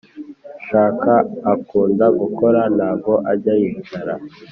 shaka akunda gukora ntago ajya yicara